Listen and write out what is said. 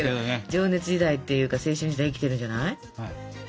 情熱時代っていうか青春時代生きてるんじゃない？